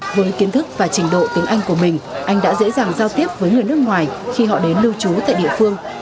với kiến thức và trình độ tiếng anh của mình anh đã dễ dàng giao tiếp với người nước ngoài khi họ đến lưu trú tại địa phương